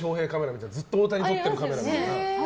ずっと大谷撮ってるカメラみたいな。